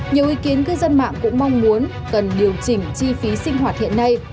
nhiều ý kiến cư dân mạng cũng mong muốn cần điều chỉnh chi phí sinh hoạt hiện nay